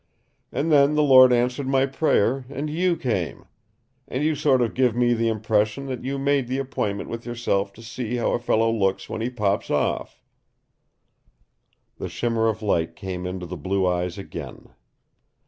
And then the Lord answers my prayer, and YOU come and you sort of give me the impression that you made the appointment with yourself to see how a fellow looks when he pops off." The shimmer of light came into the blue eyes again.